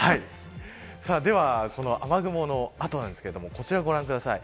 では雨雲の後なんですけれどもこちらをご覧ください。